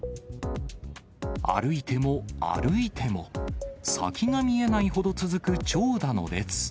歩いても歩いても、先が見えないほど続く長蛇の列。